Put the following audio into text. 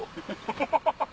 アハハハ。